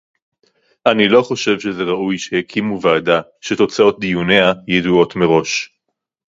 אני לא חושב שזה ראוי שיקימו ועדה שתוצאות דיוניה ידועות מראש